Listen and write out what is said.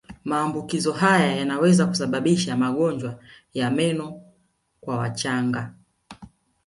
Maambukizo haya yanaweza kusababisha magonjwa ya meno kwa wachanga